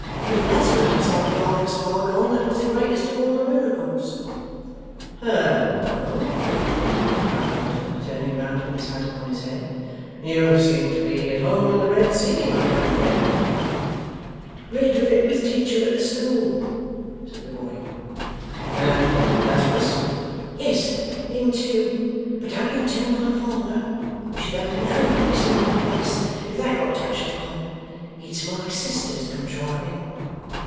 If Lazarus was only half as far gone, that was the greatest of all the miracles.' 'Halloa!' cried Mortimer, turning round with his hat upon his head, 'you seem to be at home in the Red Sea, my young friend?' 'Read of it with teacher at the school,' said the boy. 'And Lazarus?' 'Yes, and him too. But don't you tell my father! We should have no peace in our place, if that got touched upon. It's my sister's contriving.